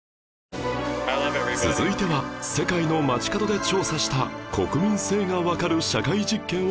続いては世界の街角で調査した国民性がわかる社会実験を紹介